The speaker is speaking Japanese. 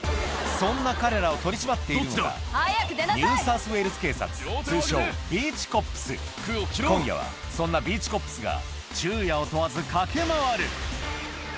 そんな彼らを取り締まっているのがニューサウスウェールズ警察通称ビーチ・コップス今夜はそんなビーチ・コップスが昼夜を問わず駆け回る